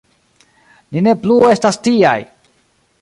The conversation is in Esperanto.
Ni ne plu estas tiaj!